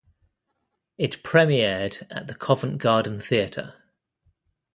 It premiered at the Covent Garden Theatre.